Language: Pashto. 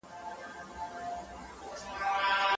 نجلۍ به خپل هدفونه پټ نه کړي.